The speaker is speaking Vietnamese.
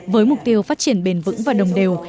với mục tiêu phát triển bền vững và đồng đều